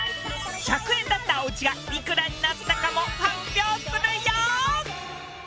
１００円だったおうちがいくらになったかも発表するよ！